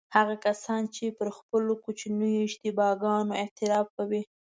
هغه کسان چې پر خپلو کوچنیو اشتباه ګانو اعتراف کوي.